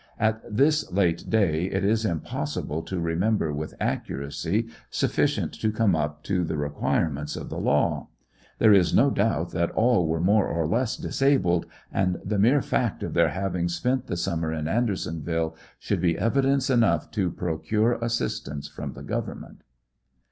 At this late day it is impossible to remember with accuracy sufficient to come up to the requirements of the law. There is no doubt that all were more or less disabled, and the mere fact of their having spent the summer in Andersonville, should be evidence enough to procure assistance from the government.